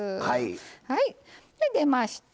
はい出ました。